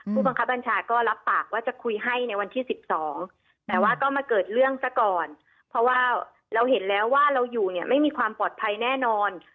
ผู้บังคับบัญชาก็รับปากว่าจะคุยให้ในวันที่๑๒แต่ว่าก็มาเกิดเรื่องซะก่อนเพราะว่าเราเห็นแล้วว่าเราอยู่เนี่ยไม่มีความปลอดภัยแน่นอน